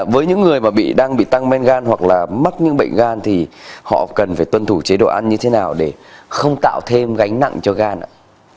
với những người mà bị đang bị tăng men gan hoặc là mắc những bệnh gan thì họ cần phải tuân thủ chế độ ăn như thế nào để không tạo thêm gánh nặng cho gan ạ